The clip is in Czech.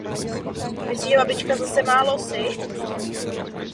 V devadesátých letech se jí ujala skupina místních občanů a částečně jí opravila.